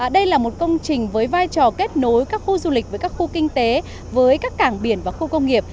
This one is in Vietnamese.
đây là một công trình với vai trò kết nối các khu du lịch với các khu kinh tế với các cảng biển và khu công nghiệp